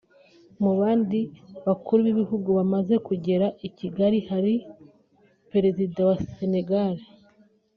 Mu bandi bakuru b’ibihugu bamaze kugera i Kigali hari Perezida wa Senegal